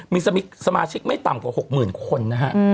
มีสมัยชิกไม่ต่ำกว่าหกหมื่นคนนะฮะ